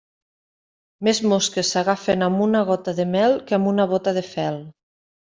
Més mosques s'agafen amb una gota de mel que amb una bóta de fel.